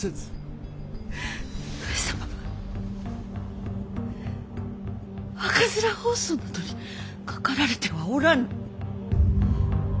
上様は赤面疱瘡などかかられてはおらぬ。